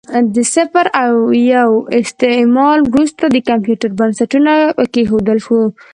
د صفر او یو استعمال وروسته د کمپیوټر بنسټ کېښودل شو.